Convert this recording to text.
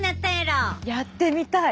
やってみたい。